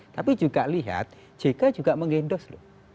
tapi juga lihat jk juga mengendos loh